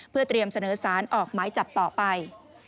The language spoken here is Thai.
เพื่อเตรียมเสนอสารออกหมายจับต่อไป